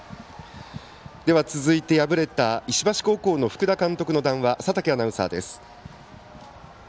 続いて敗れた石橋高校の福田監督の談話を佐竹アナウンサーです。